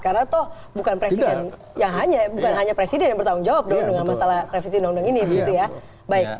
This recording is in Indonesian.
karena toh bukan hanya presiden yang bertanggung jawab dengan masalah revisi undang undang ini